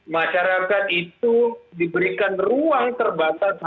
masyarakat itu diberikan ruang terbatas